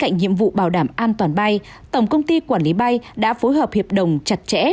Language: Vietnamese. nhiệm vụ bảo đảm an toàn bay tổng công ty quản lý bay đã phối hợp hiệp đồng chặt chẽ